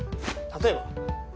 例えば？